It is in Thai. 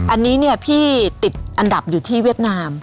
อันนี้เนี่ยพี่ติดอันดับอยู่ที่เวียดนาม